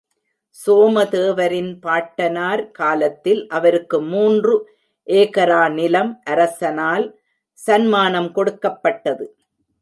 சோமதேவரின் பாட்டனார் காலத்தில் அவருக்கு மூன்று ஏகரா நிலம் அரசனால் சன்மானம் கொடுக்கப்பட்டது.